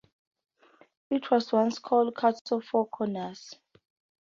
It was once called "Cato Four Corners".